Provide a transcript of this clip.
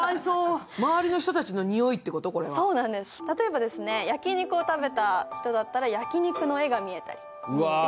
例えば焼肉を食べた人だったら焼肉の絵が見えたり。